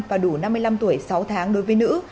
và đủ năm mươi năm tuổi sáu tháng đối với nữ